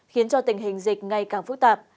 khiến cho tình hình dịch ngày càng phức tạp